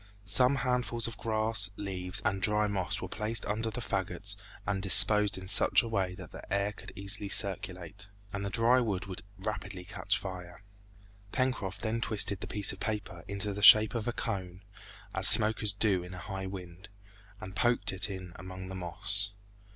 Some handfuls of grass, leaves, and dry moss were placed under the fagots and disposed in such a way that the air could easily circulate, and the dry wood would rapidly catch fire. Pencroft then twisted the piece of paper into the shape of a cone, as smokers do in a high wind, and poked it in among the moss.